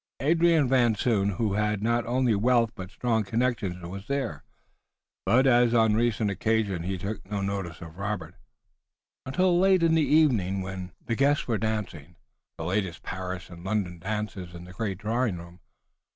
Adrian Van Zoon, who had not only wealth but strong connections, was there, but, as on recent occasions he took no notice of Robert, until late in the evening when the guests were dancing the latest Paris and London dances in the great drawing room.